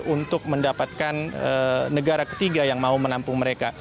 untuk mendapatkan negara ketiga yang mau menampung mereka